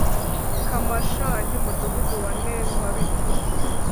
Kamashangi umudugudu wa ntemabiti